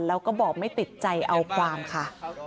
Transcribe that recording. แล้วก็บอกไม่ติดใจเอาความค่ะ